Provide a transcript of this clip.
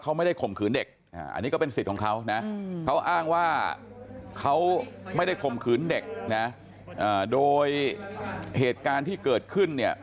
เข้าอ้างว่าเขาไม่ได้ข่มขืนเด็กนะโดยเหตุการณ์ที่เกิดขึ้นเนี่ย